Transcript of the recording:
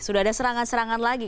sudah ada serangan serangan lagi